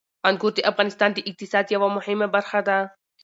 انګور د افغانستان د اقتصاد یوه مهمه برخه ده.